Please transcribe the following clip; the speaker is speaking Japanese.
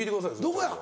どこや？